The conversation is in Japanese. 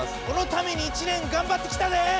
このために１年がんばってきたで！